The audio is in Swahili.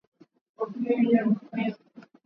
mmoja mwendeshaji wetu aligonga mwamba uliowekwa chini